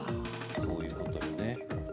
そういうことよね。